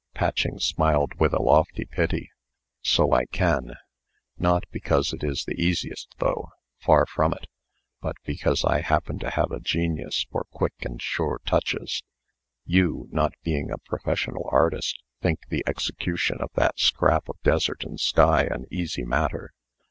Patching smiled with a lofty pity. "So I can. Not because it is the easiest, though far from it; but because I happen to have a genius for quick and sure touches. You, not being a professional artist, think the execution of that scrap of desert and sky an easy matter.